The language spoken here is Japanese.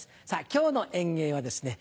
今日の演芸はですね